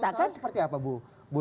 bagi perusahaan seperti apa bu